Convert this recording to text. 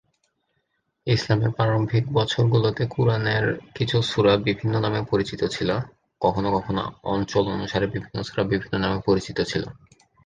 ইসলামের প্রারম্ভিক বছরগুলোতে কুরআনের কিছু সূরা বিভিন্ন নামে পরিচিত ছিল, কখনও কখনও অঞ্চল অনুসারে বিভিন্ন সূরা বিভিন্ন নামে পরিচিত ছিল।